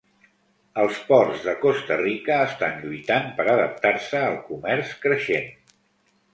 Els ports de Costa Rica estan lluitant per adaptar-se al comerç creixent.